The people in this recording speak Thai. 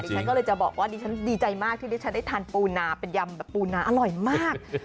ฉันก็เลยจะบอกว่าดิฉันดีใจมากที่ดิฉันได้ทานปูนาเป็นยำแบบปูนาอร่อยมาก